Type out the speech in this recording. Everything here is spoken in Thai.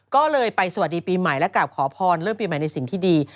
ก็เลยไปสวัสดีปีใหม่และกลับขอพรเรื่องปีใหม่ในสิ่งที่ดี